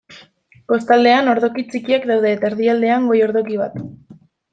Kostaldean ordoki txikiak daude, eta erdialdean goi ordoki bat.